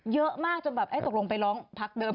เยอะมากจนแบบตกลงไปร้องพักเดิม